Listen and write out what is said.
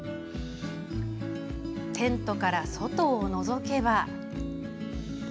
テントから外をのぞけば。